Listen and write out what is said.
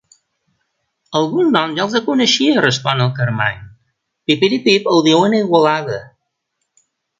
Alguns noms ja els coneixia —respon el Carmany—, pipiripip ho diuen a Igualada.